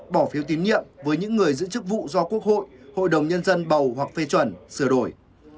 bỏ phiếu tín nhiệm với những người giữ chức vụ do quốc hội hội đồng nhân dân bầu hoặc phê chuẩn sửa đổi